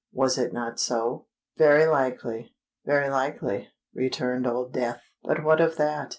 Was it not so?" "Very likely—very likely," returned Old Death. "But what of that?"